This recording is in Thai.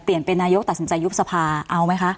เป็นนายกตัดสินใจยุบสภาเอาไหมคะ